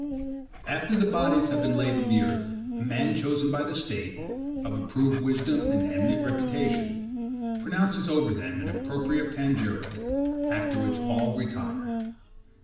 After the bodies have been laid in the earth, a man chosen by the state, of approved wisdom and eminent reputation, pronounces over them an appropriate panegyric; after which all retire.